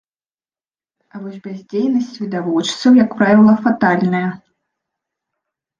А вось бяздзейнасць відавочцаў, як правіла, фатальная.